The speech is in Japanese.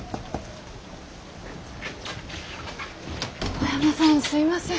小山さんすいません。